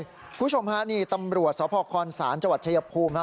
คุณผู้ชมฮะนี่ตำรวจสคศาลจชยภูมิ